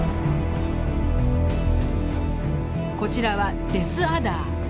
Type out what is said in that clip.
こちらはデスアダー。